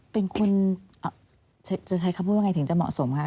เป็นคนจะใช้คำพูดว่าไงถึงจะเหมาะสมคะ